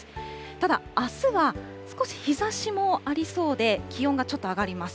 ただ、あすは少し日ざしもありそうで、気温がちょっと上がります。